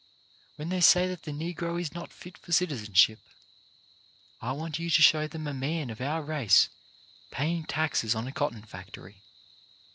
When they say that the Negro is not fit for citizen ship, I want you to show them a man of our race paying taxes on a cotton factory.